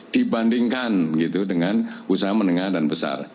dibandingkan gitu dengan usaha menengah dan besar